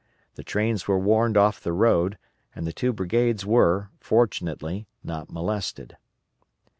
The trains were warned off the road, and the two brigades were, fortunately, not molested.